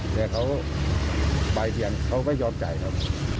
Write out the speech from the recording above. แต่เขาปลายเทียนเขาไม่ยอมจ่ายเขา